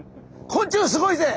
「昆虫すごいぜ！」